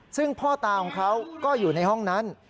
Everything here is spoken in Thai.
ซึ่งพ่อตาของเขาก็อยู่ในห้องนั้น